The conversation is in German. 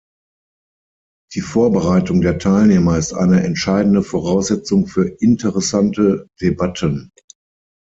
Die Vorbereitung der Teilnehmer ist eine entscheidende Voraussetzung für interessante Debatten.